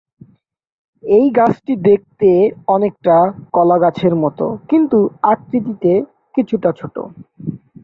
এই গাছটি দেখতে অনেকটা কলা গাছের মত কিন্তু আকৃতিতে কিছুটা ছোট।